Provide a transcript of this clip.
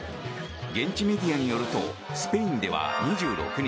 現地メディアによるとスペインでは２６日